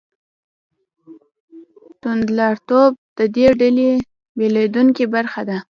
توندلاریتوب د دې ډلې نه بېلېدونکې برخه ده.